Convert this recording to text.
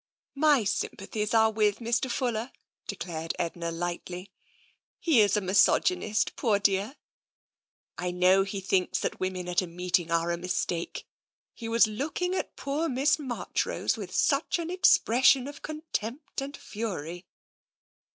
" My sympathies are with Mr. Fuller," declared Edna lightly. " He is a misogynist, poor dear. I know he thinks that women at a meeting are a mistake ; he was looking at poor Miss Marchrose with such an expression of contempt and fury!